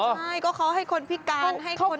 ใช่ก็เขาให้คนพิการให้คน